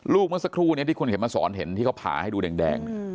เมื่อสักครู่นี้ที่คุณเข็มมาสอนเห็นที่เขาผ่าให้ดูแดง